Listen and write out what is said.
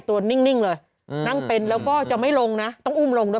นิ่งเลยนั่งเป็นแล้วก็จะไม่ลงนะต้องอุ้มลงด้วย